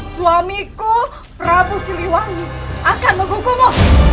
suamiku prabu siliwangi akan menghukummu